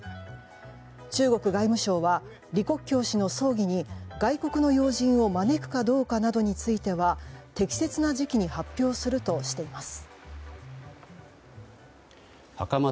中国外務省は李克強氏の葬儀に外国の要人を招くかどうかなどについては適切な時期に発表するとしています。